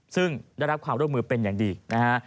ซึ่งได้รับความร่วมมือเป็นอย่างดีนะฮะ